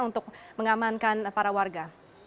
untuk mengamankan para warga